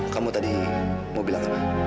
kamu tadi mau bilang sama